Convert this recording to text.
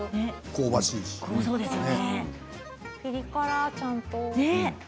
ピリ辛、ちゃんと。